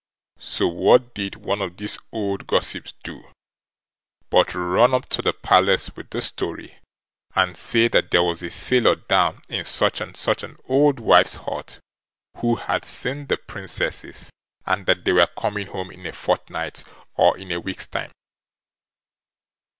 So what did one of these old gossips do but run up to the Palace with this story, and say that there was a sailor down in such and such an old wife's hut, who had seen the Princesses, and that they were coming home in a fortnight or in a week's time.